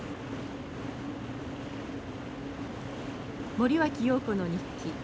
森脇瑤子の日記。